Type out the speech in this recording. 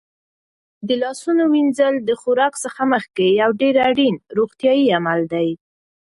د لاسونو وینځل د خوراک څخه مخکې یو ډېر اړین روغتیايي عمل دی.